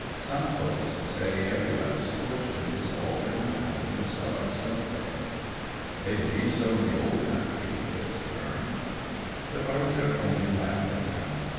Some folks say everybody's fortune is all written out in the stars, don't they?" "They believe so in the old country," Fritz affirmed. But Arthur only laughed at him.